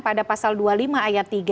pada pasal dua puluh lima ayat tiga